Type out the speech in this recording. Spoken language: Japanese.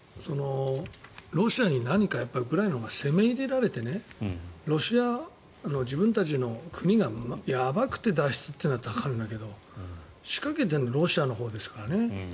ロシアに何かウクライナが攻め入れられてロシアの自分たちの国がやばくて脱出というならわかるんだけど仕掛けてるのはロシアのほうですからね。